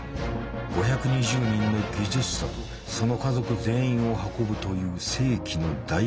５２０人の技術者とその家族全員を運ぶという世紀の大脱出。